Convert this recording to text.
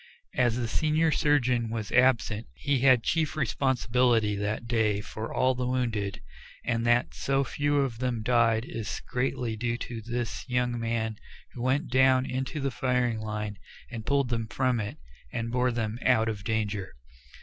As the senior surgeon was absent he had chief responsibility that day for all the wounded, and that so few of them died is greatly due to this young man who went down into the firing line and pulled them from it, and bore them out of danger.